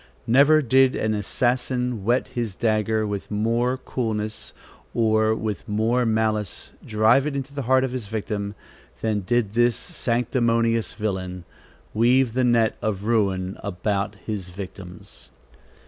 Never did an assassin whet his dagger with more coolness or with more malice drive it to the heart of his victim, than did this sanctimonious villain weave the net of ruin about his victims.